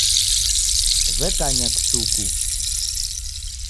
W'ekanya kichuku.